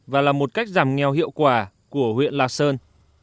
và là một cách giảm nghèo hiệu quả của huyện lạc sơn